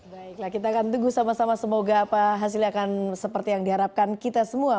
baiklah kita akan tunggu sama sama semoga hasilnya akan seperti yang diharapkan kita semua